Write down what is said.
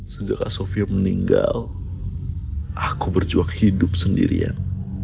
sejak asofio meninggal aku berjuang hidup sendirian